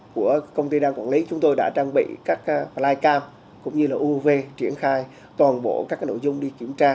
của công ty đang quản lý chúng tôi đã trang bị các flycam cũng như là uav triển khai toàn bộ các nội dung đi kiểm tra